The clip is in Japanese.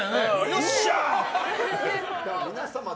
よっしゃーって。